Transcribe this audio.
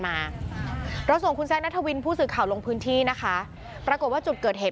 มาเราส่งคุณแซคนัทวินผู้สื่อข่าวลงพื้นที่นะคะปรากฏว่าจุดเกิดเหตุ